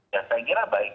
dan saya kira baik